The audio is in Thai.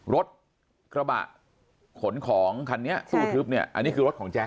รถกระบะขนของคันนี้ตู้ทึบเนี่ยอันนี้คือรถของแจ๊